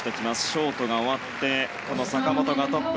ショートが終わってこの坂本がトップ。